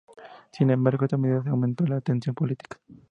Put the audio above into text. Sin embargo, esta medida aumentó la tensión política.